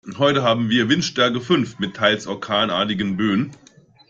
Heute haben wir Windstärke fünf mit teils orkanartigen Böen.